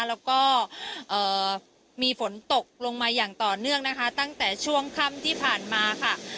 แล้วก็มีฝนตกลงมาอย่างต่อเนื่องนะคะตั้งแต่ช่วงค่ำที่ผ่านมาค่ะ